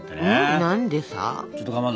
何でさ？